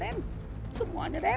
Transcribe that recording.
sepertinya ada yang gak beres